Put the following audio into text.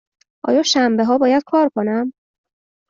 آیا شنبه ها باید کار کنم؟